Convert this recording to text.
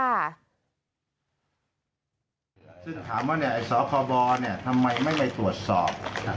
ถามว่าเนี่ยสคบทำไมไม่ได้ตรวจสอบ